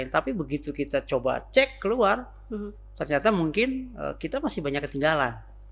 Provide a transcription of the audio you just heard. tapi begitu kita coba cek keluar ternyata mungkin kita masih banyak ketinggalan